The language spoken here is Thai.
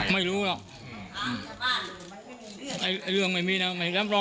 แม้ฉันดูว่ามันจะไม่มีเรื่องไม่ได้หรอก